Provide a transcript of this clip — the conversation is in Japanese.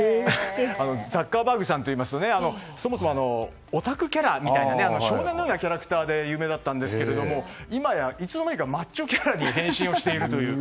ザッカーバーグさんというとそもそもオタクキャラみたいな少年のようなキャラクターで有名だったんですが今やいつのまにかマッチョキャラに変身をしているという。